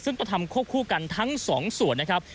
ซึ่งก็ทำควบคู่กันทั้งสองส่วนนะครับ